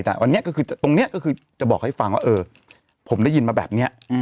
แต่ตรงนี้ก็คือจะบอกให้ฟังว่าผมได้ยินมาแบบนี้